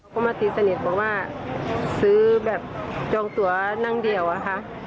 ก็มาตีสนิทบอกว่าซื้อแบบจองตัวนั่งเดี่ยวอะค่ะ